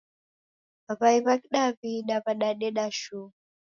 W'ai w'a kidaw'ida w'adadeda shuu.